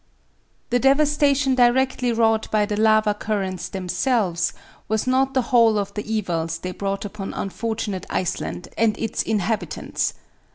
The devastation directly wrought by the lava currents themselves was not the whole of the evils they brought upon unfortunate Iceland and its inhabitants.